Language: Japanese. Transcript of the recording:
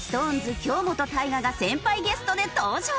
京本大我が先輩ゲストで登場！